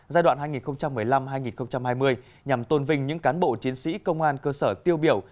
giai đoạn hai nghìn một mươi năm hai nghìn hai mươi nhằm tôn vinh những cán bộ chiến sĩ công an cơ sở tiêu biểu